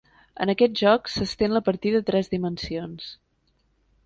En aquest joc, s'estén la partida a tres dimensions.